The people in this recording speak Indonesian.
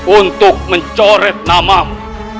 untuk mencoret namamu